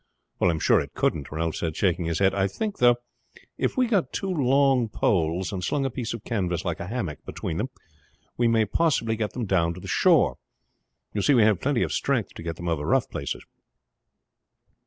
"I am sure it couldn't," Ralph said, shaking his head. "I think, though, if we got two long poles and slung a piece of canvas like a hammock between them we may possibly get them down to the shore. You see we have plenty of strength to get them over rough places."